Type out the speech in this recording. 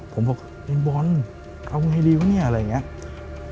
ผมบอกเป็นบอลเอาไงดีวะเนี่ยอะไรอย่างนี้